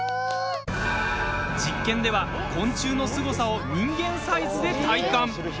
実験では、昆虫のすごさを人間サイズで体感。